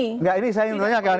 enggak ini saya ingin tanyakan